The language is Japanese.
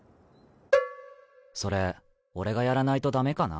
それ俺がやらないとダメかな？